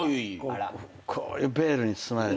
こういうベールに包まれて。